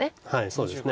そうですね。